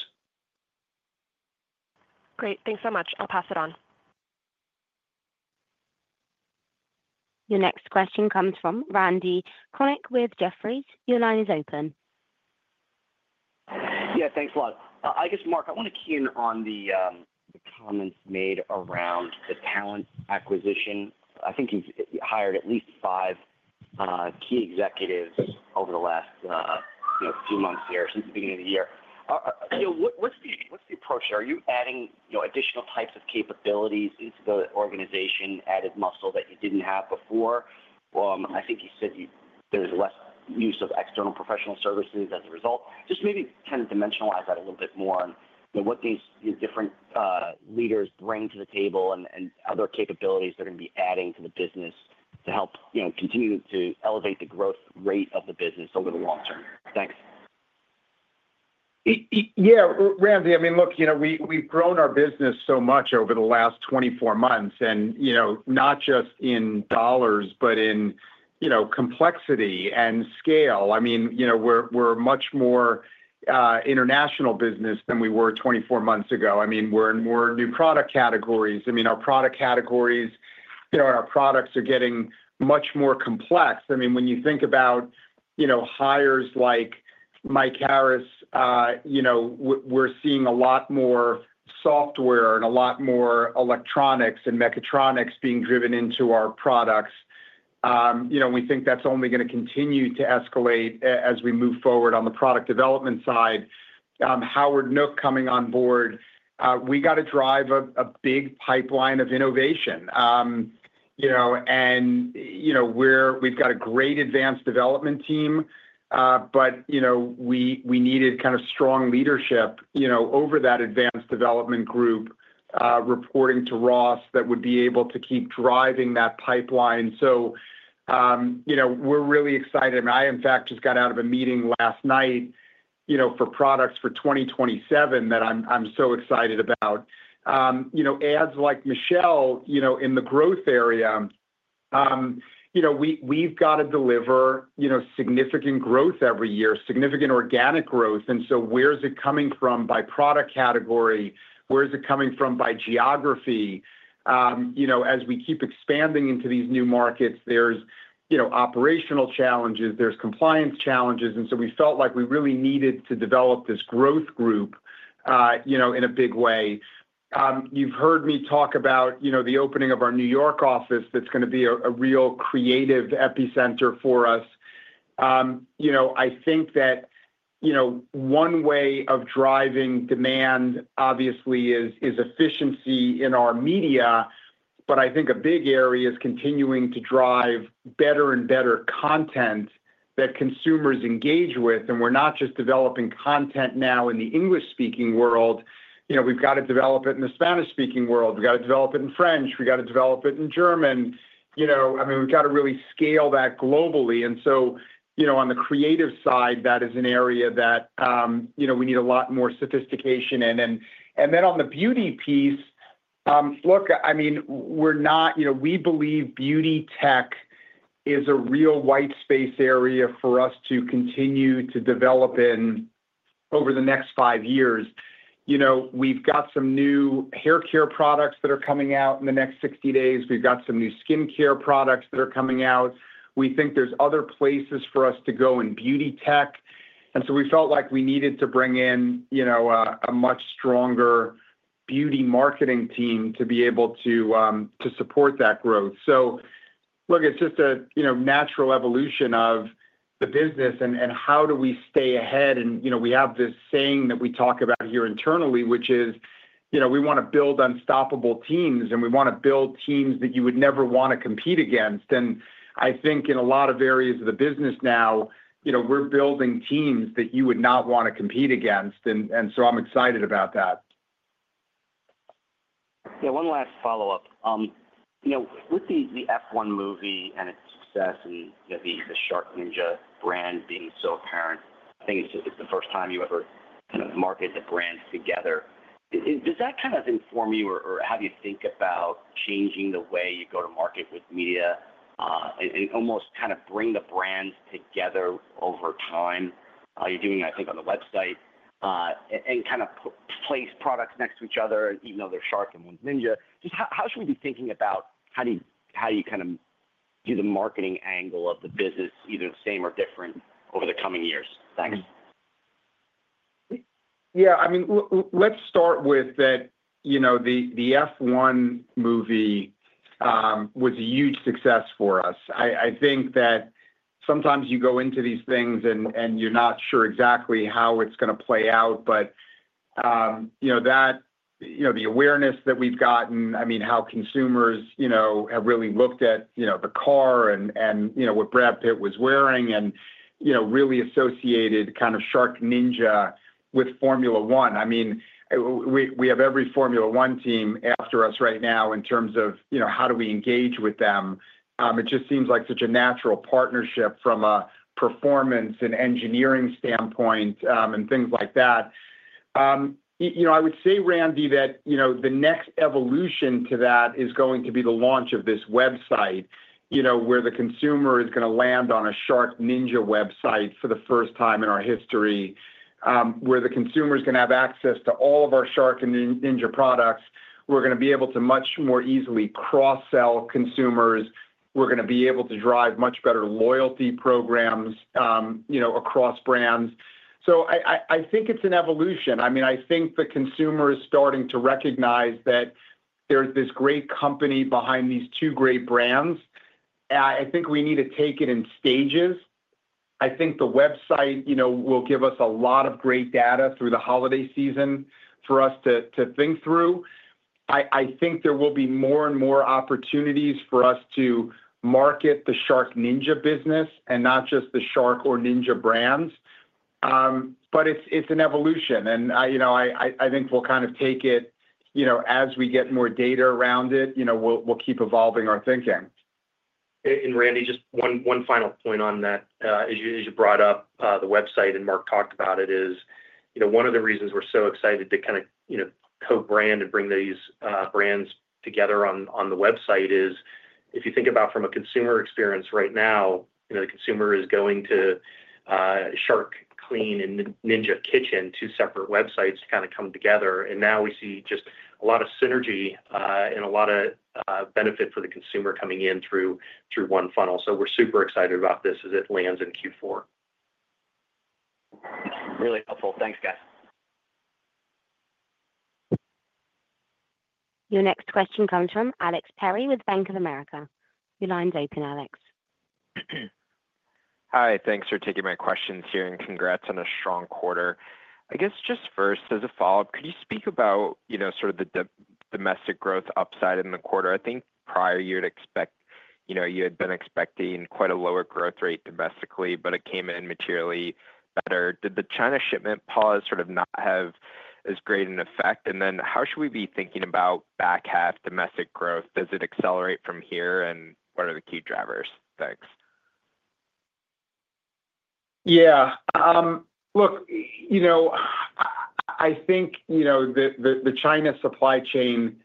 Great. Thanks so much. I'll pass it on. The next question comes from Randal Konik with Jefferies. Your line is open. Yeah, thanks a lot. I guess, Mark, I want to key in on the comments made around the talent acquisition. I think you've hired at least five key executives over the last, you know, few months here, since the beginning of the year. What's the approach here? Are you adding, you know, additional types of capabilities? Is the organization added muscle that you didn't have before? I think you said there's less use of external professional services as a result. Just maybe kind of dimensionalize that a little bit more on, you know, what these different leaders bring to the table and other capabilities they're going to be adding to the business to help, you know, continue to elevate the growth rate of the business over the long term. Thanks. Yeah, Randy, I mean, look, we've grown our business so much over the last 24 months, not just in dollars, but in complexity and scale. We're a much more international business than we were 24 months ago. We're in more new product categories. Our product categories and our products are getting much more complex. When you think about hires like Mike Harris, we're seeing a lot more software and a lot more electronics and mechatronics being driven into our products. We think that's only going to continue to escalate as we move forward on the product development side. Howard Nook coming on board, we got to drive a big pipeline of innovation. We've got a great advanced development team, but we needed kind of strong leadership over that advanced development group reporting to Ross that would be able to keep driving that pipeline. We're really excited. I, in fact, just got out of a meeting last night for products for 2027 that I'm so excited about. Ads like Michelle in the growth area, we've got to deliver significant growth every year, significant organic growth. Where's it coming from by product category? Where's it coming from by geography? As we keep expanding into these new markets, there's operational challenges, there's compliance challenges. We felt like we really needed to develop this growth group in a big way. You've heard me talk about the opening of our New York office that's going to be a real creative epicenter for us. I think that one way of driving demand obviously is efficiency in our media, but I think a big area is continuing to drive better and better content that consumers engage with. We're not just developing content now in the English-speaking world. We've got to develop it in the Spanish-speaking world. We've got to develop it in French. We've got to develop it in German. We've got to really scale that globally. On the creative side, that is an area that we need a lot more sophistication in. On the beauty piece, we believe beauty tech is a real whitespace area for us to continue to develop in over the next five years. We've got some new hair care products that are coming out in the next 60 days. We've got some new skincare products that are coming out. We think there's other places for us to go in beauty tech. We felt like we needed to bring in a much stronger beauty marketing team to be able to support that growth. It's just a natural evolution of the business and how do we stay ahead. We have this saying that we talk about here internally, which is, we want to build unstoppable teams, and we want to build teams that you would never want to compete against. I think in a lot of areas of the business now, we're building teams that you would not want to compete against. I'm excited about that. Yeah, one last follow-up. You know, with the F1: The Movie and its success, you know, the SharkNinja brand being so apparent, I think it's the first time you ever kind of marketed the brands together. Does that kind of inform you or have you think about changing the way you go to market with media and almost kind of bring the brands together over time? You're doing it, I think, on the website and kind of place products next to each other, even though they're Shark and one's Ninja. Just how should we be thinking about how do you kind of do the marketing angle of the business, either the same or different, over the coming years? Thanks. Yeah, I mean, let's start with that. The F1: The Movie was a huge success for us. I think that sometimes you go into these things and you're not sure exactly how it's going to play out, but the awareness that we've gotten, I mean, how consumers have really looked at the car and what Brad Pitt was wearing and really associated kind of SharkNinja with Formula One. I mean, we have every Formula One team after us right now in terms of how do we engage with them? It just seems like such a natural partnership from a performance and engineering standpoint and things like that. I would say, Randy, that the next evolution to that is going to be the launch of this website, where the consumer is going to land on a SharkNinja website for the first time in our history, where the consumer is going to have access to all of our Shark and Ninja products. We're going to be able to much more easily cross-sell consumers. We're going to be able to drive much better loyalty programs across brands. I think it's an evolution. I mean, I think the consumer is starting to recognize that there's this great company behind these two great brands. I think we need to take it in stages. I think the website will give us a lot of great data through the holiday season for us to think through. I think there will be more and more opportunities for us to market the SharkNinja business and not just the Shark or Ninja brands. It's an evolution. I think we'll kind of take it as we get more data around it, we'll keep evolving our thinking. Randy, just one final point on that. As you brought up the website and Mark talked about it, one of the reasons we're so excited to kind of co-brand and bring these brands together on the website is if you think about from a consumer experience right now, the consumer is going to Shark Clean and Ninja Kitchen, two separate websites to kind of come together. We see just a lot of synergy and a lot of benefit for the consumer coming in through one funnel. We're super excited about this as it lands in Q4. Really helpful. Thanks, guys. Your next question comes from Alex Perry with Bank of America. Your line's open, Alex. Hi, thanks for taking my questions here and congrats on a strong quarter. I guess just first, as a follow-up, could you speak about, you know, sort of the domestic growth upside in the quarter? I think prior you had expected, you know, you had been expecting quite a lower growth rate domestically, but it came in materially better. Did the China shipment pause sort of not have as great an effect? How should we be thinking about back half domestic growth? Does it accelerate from here and what are the key drivers? Thanks? Yeah, look, I think the China supply chain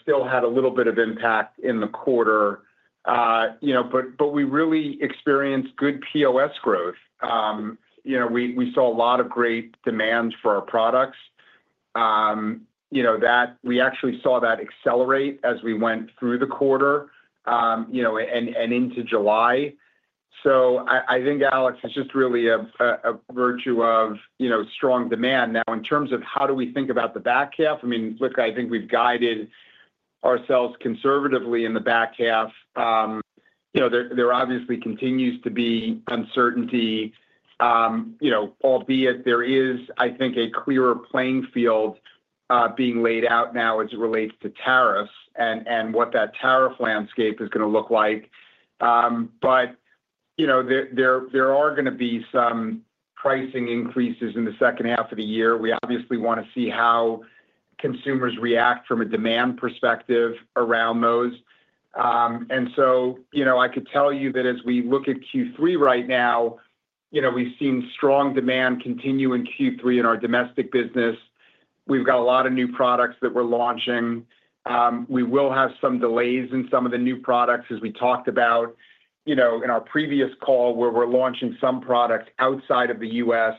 still had a little bit of impact in the quarter, but we really experienced good POS growth. We saw a lot of great demand for our products. We actually saw that accelerate as we went through the quarter and into July. I think, Alex, it's just really a virtue of strong demand. Now, in terms of how do we think about the back half, I think we've guided ourselves conservatively in the back half. There obviously continues to be uncertainty, albeit there is, I think, a clearer playing field being laid out now as it relates to tariffs and what that tariff landscape is going to look like. There are going to be some pricing increases in the second half of the year. We obviously want to see how consumers react from a demand perspective around those. I could tell you that as we look at Q3 right now, we've seen strong demand continue in Q3 in our domestic business. We've got a lot of new products that we're launching. We will have some delays in some of the new products, as we talked about in our previous call where we're launching some products outside of the U.S.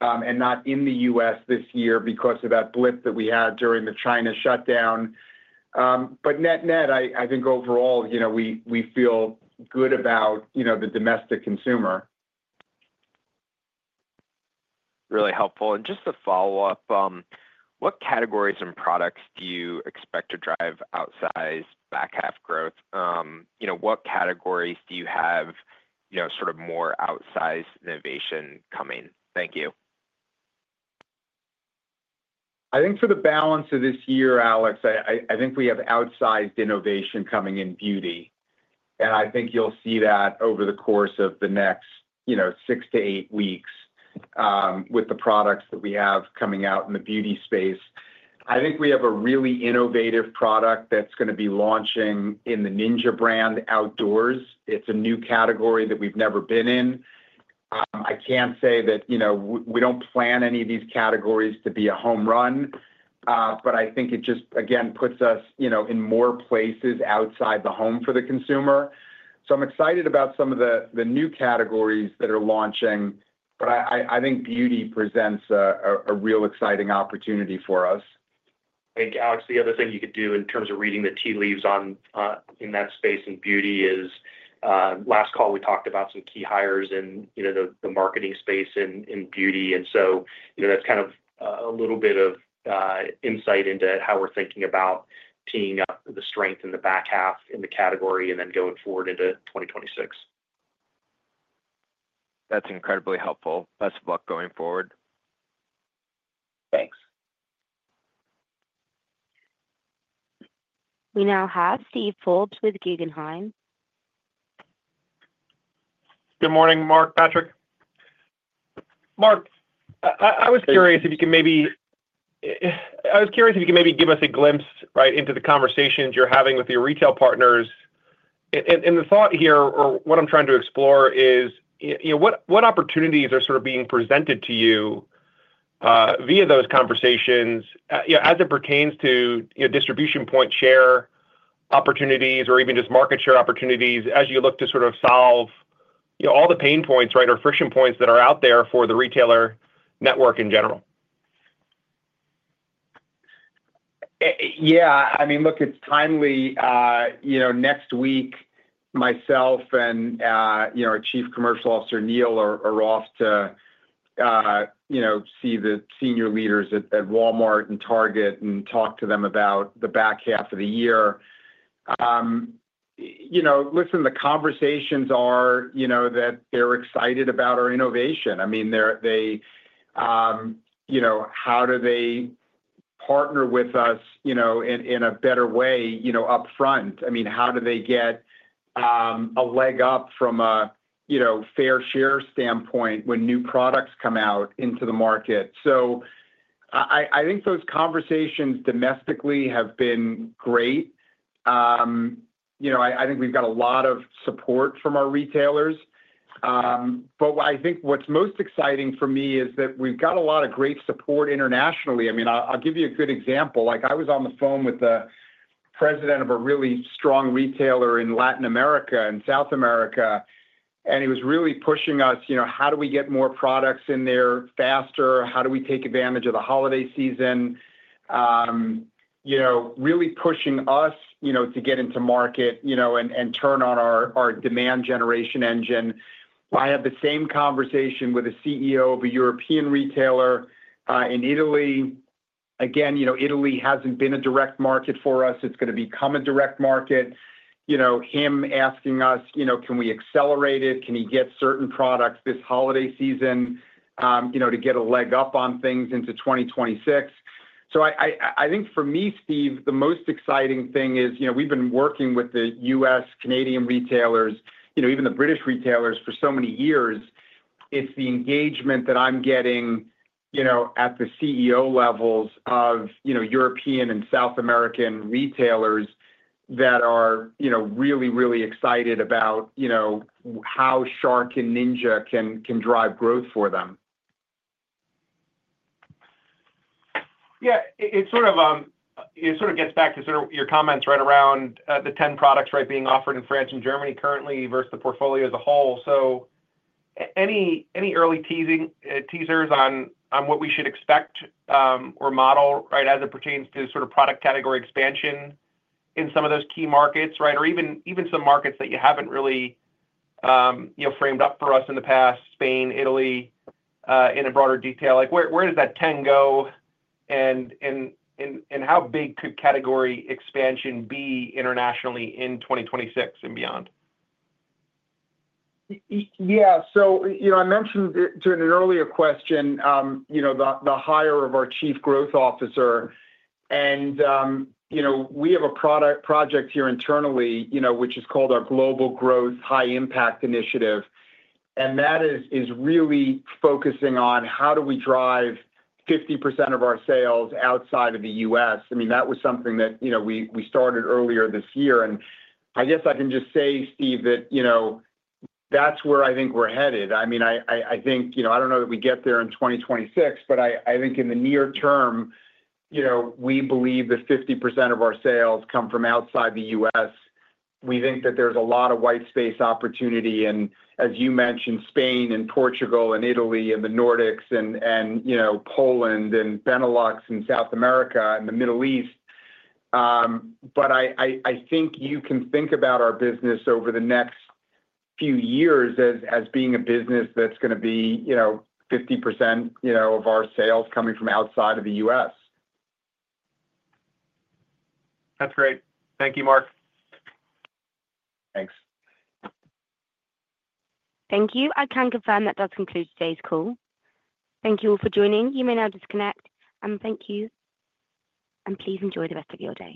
and not in the U.S. this year because of that blip that we had during the China shutdown. Net-net, I think overall, we feel good about the domestic consumer. Really helpful. Just to follow up, what categories and products do you expect to drive outsized back half growth? What categories do you have more outsized innovation coming? Thank you. I think for the balance of this year, Alex, I think we have outsized innovation coming in beauty. I think you'll see that over the course of the next six to eight weeks with the products that we have coming out in the beauty space. I think we have a really innovative product that's going to be launching in the Ninja brand outdoors. It's a new category that we've never been in. I can't say that we don't plan any of these categories to be a home run, but I think it just, again, puts us in more places outside the home for the consumer. I'm excited about some of the new categories that are launching, but I think beauty presents a real exciting opportunity for us. Alex, the other thing you could do in terms of reading the tea leaves in that space in beauty is last call we talked about some key hires in the marketing space in beauty. That's kind of a little bit of insight into how we're thinking about teeing up the strength in the back half in the category and then going forward into 2026. That's incredibly helpful. Best of luck going forward. We now have Steve Forbes with Guggenheim. Good morning, Mark, Patraic. Good morning. Mark, I was curious if you could maybe give us a glimpse right into the conversations you're having with your retail partners. The thought here, or what I'm trying to explore is, you know, what opportunities are sort of being presented to you via those conversations, you know, as it pertains to distribution point share opportunities or even just market share opportunities as you look to sort of solve all the pain points, right, or friction points that are out there for the retailer network in general? Yeah, I mean, look, it's timely. Next week, myself and our Chief Commercial Officer, Neil, are off to see the senior leaders at Walmart and Target and talk to them about the back half of the year. The conversations are that they're excited about our innovation. I mean, how do they partner with us in a better way upfront? How do they get a leg up from a fair share standpoint when new products come out into the market? I think those conversations domestically have been great. I think we've got a lot of support from our retailers. What's most exciting for me is that we've got a lot of great support internationally. I'll give you a good example. I was on the phone with the president of a really strong retailer in Latin America and South America, and he was really pushing us, how do we get more products in there faster? How do we take advantage of the holiday season? Really pushing us to get into market and turn on our demand generation engine. I had the same conversation with a CEO of a European retailer in Italy. Again, Italy hasn't been a direct market for us. It's going to become a direct market. Him asking us, can we accelerate it? Can he get certain products this holiday season to get a leg up on things into 2026? For me, Steve, the most exciting thing is we've been working with the U.S., Canadian retailers, even the British retailers for so many years. It's the engagement that I'm getting at the CEO levels of European and South American retailers that are really, really excited about how SharkNinja can drive growth for them. It gets back to your comments around the 10 products being offered in France and Germany currently versus the portfolio as a whole. Any early teasers on what we should expect or model as it pertains to product category expansion in some of those key markets, or even some markets that you haven't really framed up for us in the past, Spain, Italy, in a broader detail? Where does that 10 go and how big could category expansion be internationally in 2026 and beyond? Yeah, I mentioned during an earlier question the hire of our Chief Growth Officer. We have a product project here internally, which is called our Global Growth High Impact Initiative. That is really focusing on how do we drive 50% of our sales outside of the U.S. That was something that we started earlier this year. I guess I can just say, Steve, that's where I think we're headed. I think, I don't know that we get there in 2026, but I think in the near term, we believe that 50% of our sales come from outside the U.S. We think that there's a lot of whitespace opportunity in, as you mentioned, Spain and Portugal and Italy and the Nordics and Poland and Benelux and South America and the Middle East. I think you can think about our business over the next few years as being a business that's going to be 50% of our sales coming from outside of the U.S. That's great. Thank you, Mark. Thanks. Thank you. I can confirm that does conclude today's call. Thank you all for joining. You may now disconnect, and thank you, and please enjoy the rest of your day.